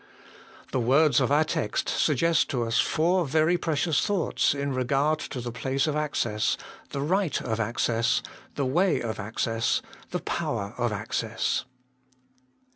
The words of our text suggest to us four very precious thoughts in regard to the place of access, the right of access, the way of access, the power of access.